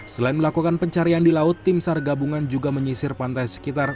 selain melakukan pencarian di laut tim sar gabungan juga menyisir pantai sekitar